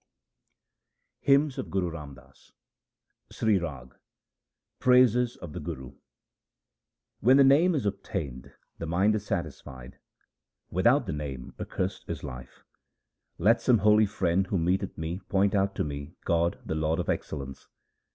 HYMNS OF GURU RAM DAS Sri Rag Praises of the Guru :— When the Name is obtained the mind is satisfied ; without the Name accursed is life. Let some holy friend who meeteth me point out to me God the Lord of excellence.